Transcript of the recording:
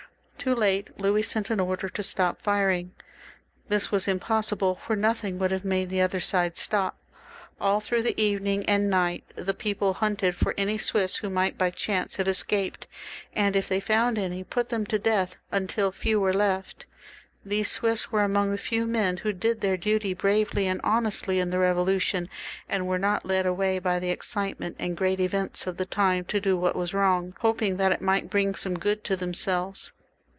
Too late Louis sent an order to stop firing. This was impossible, for nothing would have made the other side stop. All through the evening and night the people hunted for any Swiss who might by chance have escaped, and if they found any, put them to death, so that at last scarcely any were left. These Swiss are among the few men who did their duty bravely and honestly in the Eevolution, and were not led away by the excitement and great events of the time to do what was wrong, hoping that it might bring some good to themselves.